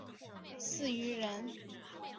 响应者四千余人。